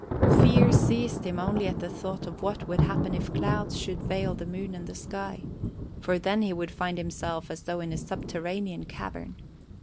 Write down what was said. Fear seized him only at the thought of what would happen if clouds should veil the moon and the sky, for then he would find himself as though in a subterranean cavern.